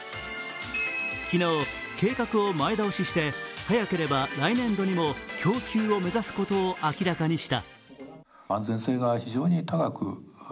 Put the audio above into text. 昨日、計画を前倒しして早ければ来年度にも供給を目指すことを明らかにした。